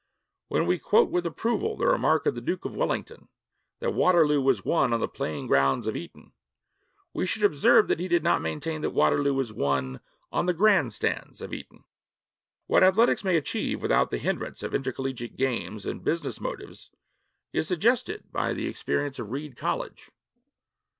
When we quote with approval the remark of the Duke of Wellington that Waterloo was won on the playing grounds of Eton, we should observe that he did not maintain that Waterloo was won on the grandstands of Eton. What athletics may achieve without the hindrance of intercollegiate games and business motives is suggested by the experience of Reed College.